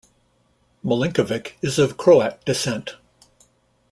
Milinkovic is of Croat descent.